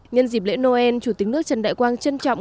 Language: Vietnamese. nhân dịp lễ noel chủ tịch nước trần đại quang trân trọng